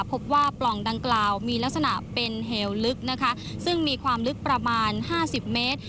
ปล่องดังกล่าวมีลักษณะเป็นเหวลึกนะคะซึ่งมีความลึกประมาณห้าสิบเมตร